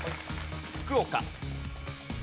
福岡。